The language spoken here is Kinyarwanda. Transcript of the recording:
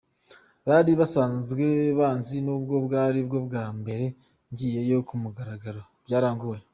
Bari basanzwe banzi nubwo bwari bwo bwa mbere ngiyeyo ku mugaragaro, byarangoye.